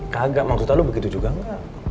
kagak maksud lo begitu juga gak